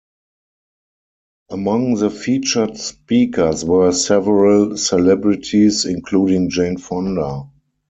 Among the featured speakers were several celebrities including Jane Fonda.